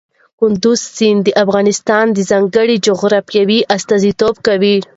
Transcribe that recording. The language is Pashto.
کندز سیند د افغانستان د ځانګړي جغرافیه استازیتوب کوي.